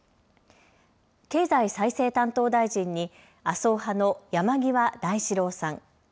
経済再生担当大臣に麻生派の山際大志郎さん。